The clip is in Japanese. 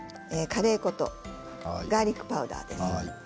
カレー粉とガーリックパウダーです。